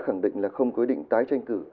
khẳng định là không quyết định tái tranh cử